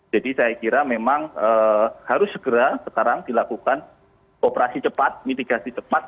jadi saya kira memang harus segera sekarang dilakukan operasi cepat mitigasi cepat